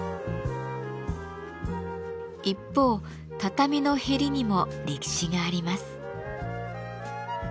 一方畳のへりにも歴史があります。